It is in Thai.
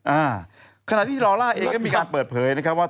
อ่าขณะที่ลอล่าเองก็มีการเปิดเผยนะครับว่า